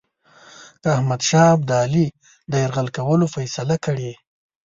که احمدشاه ابدالي د یرغل کولو فیصله کړې.